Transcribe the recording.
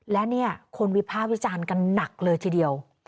และเนี่ยคนวิพากษ์วิจารณ์กันหนักเลยทีเดียว